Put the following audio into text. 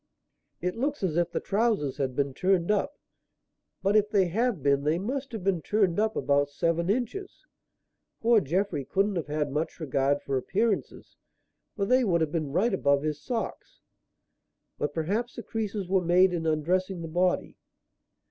"It looks as if the trousers had been turned up. But if they have been they must have been turned up about seven inches. Poor Jeffrey couldn't have had much regard for appearances, for they would have been right above his socks. But perhaps the creases were made in undressing the body."